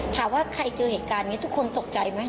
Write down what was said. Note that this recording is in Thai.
ถามว่าใครเจอเหตุการณ์นี้ทุกคนตกใจไหม